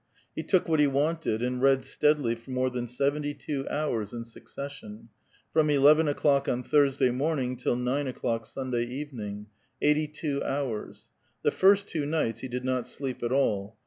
He took what he wanted, and read steadily for more than sev enty two hours in succession, — from eleven o'clock on Thurs ^a3* morning till nine o'clock Sunday evening, — eighty two hours. The first two niglits he did not sleep at all.